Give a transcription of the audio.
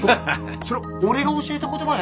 そそれ俺が教えた言葉ね